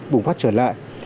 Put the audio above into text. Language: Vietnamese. bùng phát trở lại